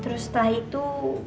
terus setelah itu